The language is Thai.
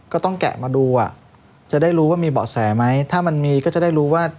แกะมาดูอ่ะจะได้รู้ว่ามีเบาะแสไหมถ้ามันมีก็จะได้รู้ว่า